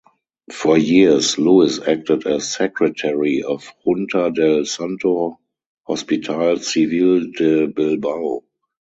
For years Luis acted as secretary of Junta del Santo Hospital Civil de Bilbao.